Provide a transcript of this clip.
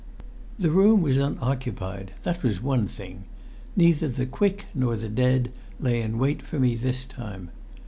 The room was unoccupied. That was one thing. Neither the quick nor the dead lay in wait for me this time.